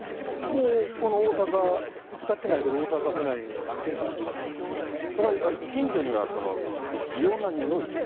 もう、この大阪、見つかってないけど、それは近所には異様なにおいとか？